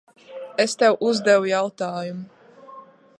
Es tev uzdevu jautājumu.